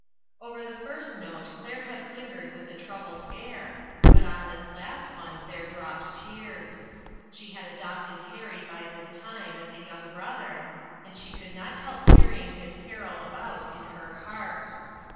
Over the first note Claire had lingered with a troubled air, but on this last one there dropped tears. She had adopted Harry by this time as a young brother, and she could not help carrying his peril about in her heart.